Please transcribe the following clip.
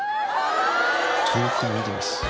遠くから見てます。